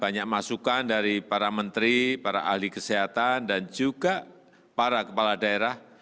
banyak masukan dari para menteri para ahli kesehatan dan juga para kepala daerah